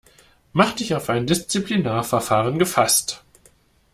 Mach dich auf ein Disziplinarverfahren gefasst.